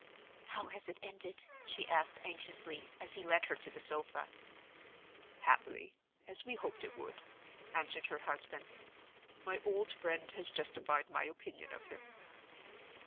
"How has it ended?" she asked, anxiously, as he led her to the sofa. "Happily—as we hoped it would," answered her husband. "My old friend has justified my opinion of him."